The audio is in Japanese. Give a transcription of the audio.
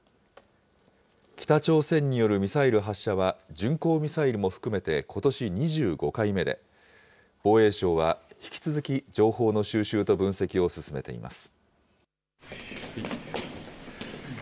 北朝鮮によるミサイル発射は、巡航ミサイルも含めてことし２５回目で、防衛省は、引き続き情報の収集と分析を進めています。